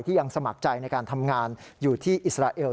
ยังสมัครใจในการทำงานอยู่ที่อิสราเอล